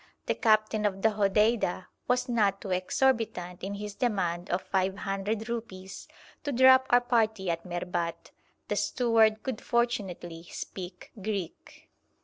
The captain of the Hodeida was not too exorbitant in his demand of 500 rupees to drop our party at Merbat. The steward could fortunately speak Greek.